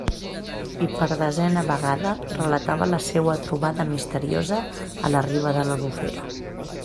I per desena vegada relatava la seua trobada misteriosa a la riba de l'Albufera.